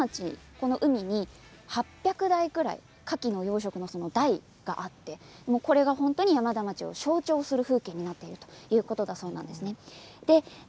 この海に８００台ぐらいかきの養殖の台があって本当に山田町を象徴する風景になっているということなんだそうです。